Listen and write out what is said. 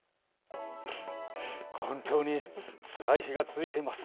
本当に、つらい日が続いています。